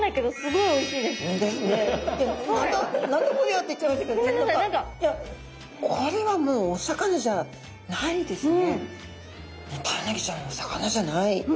いやこれはもうお魚じゃないですね。